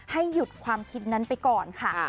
ให้หยุดความคิดนั้นไปก่อนค่ะ